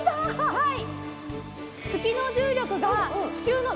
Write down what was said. はい。